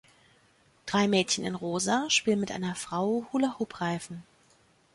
Drei Mädchen in Rosa spielen mit einer Frau Hula-Hoop-Reifen.